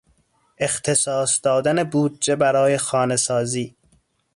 اختصاص دادن بودجه برای خانهسازی